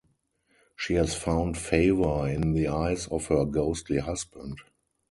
She has found favor in the eyes of her ghostly husband.